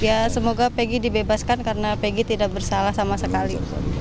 ya semoga peggy dibebaskan karena pegg tidak bersalah sama sekali